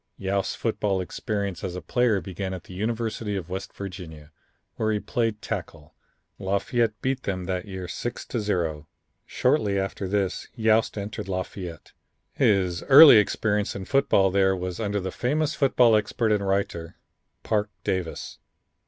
Yost's football experience as a player began at the University of West Virginia, where he played tackle. Lafayette beat them that year 6 to 0. Shortly after this Yost entered Lafayette. His early experience in football there was under the famous football expert and writer, Parke Davis.